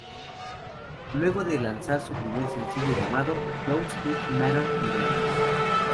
Luego de lanzar un primer sencillo llamado "Does It Matter Irene?